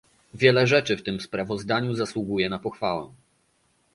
Wiele rzeczy w tym sprawozdaniu zasługuje na pochwałę